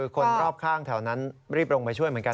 คนรอบข้างแถวนั้นรีบลงไปช่วยเหมือนกัน